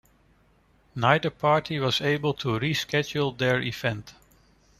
Neither party was able to reschedule their event.